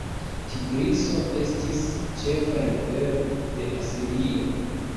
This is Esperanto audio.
Tigriso estis ĉefa rivero de Asirio.